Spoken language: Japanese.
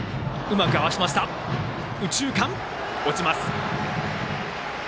右中間に落ちます。